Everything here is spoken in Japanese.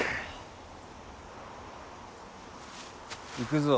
行くぞ。